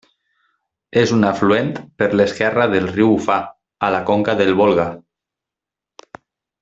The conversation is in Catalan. És un afluent per l'esquerra del riu Ufà, a la conca del Volga.